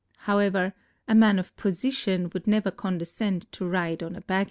However, a man of position would never condescend to ride on a baggage Camel.